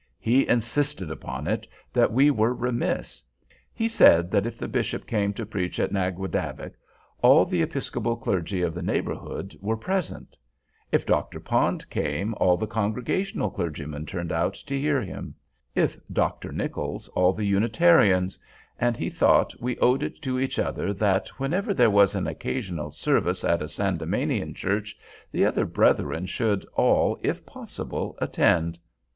He insisted upon it that we were remiss. He said, that, if the Bishop came to preach at Naguadavick, all the Episcopal clergy of the neighborhood were present; if Dr. Pond came, all the Congregational clergymen turned out to hear him; if Dr. Nichols, all the Unitarians; and he thought we owed it to each other that, whenever there was an occasional service at a Sandemanian church, the other brethren should all, if possible, attend.